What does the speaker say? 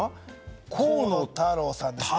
河野太郎さんですね。